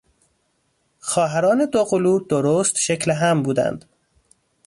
خواهران دوقلو درست شکل هم بودند.